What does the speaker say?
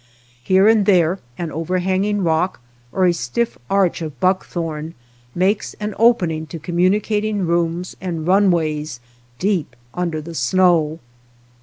Here and there an overhanging rock, or a stiff arch of buckthorn, makes an opening to com municating rooms and runways deep under the snow.